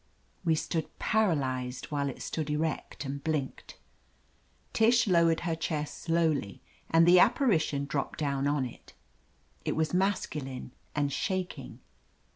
We stood paralyzed while it stood erect and blinked. Tish lowered her chair slowly and the apparition dropped down on it. It was masculine and shaking.